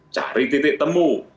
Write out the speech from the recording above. cari titik temu